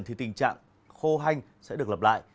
thì tình trạng khô hanh sẽ được lập lại